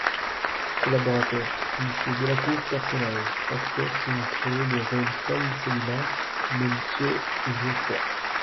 COLLABORATEURS : Monsieur DELACOUR PERSONNAGES Acteurs qui ont créé les rôles Paul Célimare : MMonsieur Geoffroy.